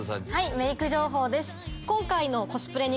メーク情報です。